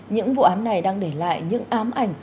những vụ án này đang để lại những ám ảnh